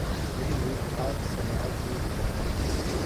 یہی نہیں، آج سماج بھی زندہ ہے۔